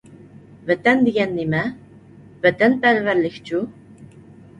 ۋەتەن دېگەن نېمە؟ ۋەتەنپەرۋەرلىكچۇ؟